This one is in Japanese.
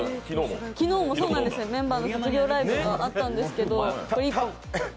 昨日も、そうなんです、メンバーの卒業ライブがあったんですけど。